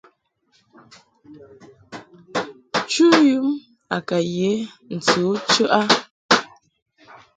Chu yum a ka ye ntɨ u chəʼ a.